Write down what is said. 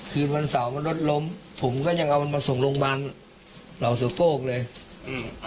คืนวันเสาร์มันรถล้มผมก็ยังเอามันมาส่งโรงพยาบาลเหล่าสะโพกเลยอืม